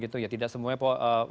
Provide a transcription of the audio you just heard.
tidak semua dari perempuan